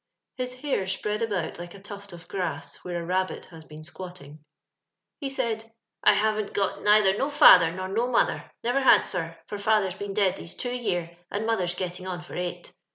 His hair spread about like a tuft of grass where a rabbit has been squatting. He said, I haven't got neither no fhthcr nor no mother,— never had, sir; for fother's been dead these two year, and mother getting on for eight.